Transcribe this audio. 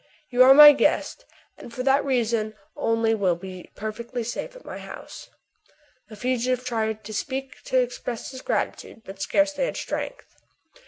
You are my guest, and for that reason only will be perfectly safe at my house.'' The fugitive tried to speak to express his grati tude, but scarcely had strength.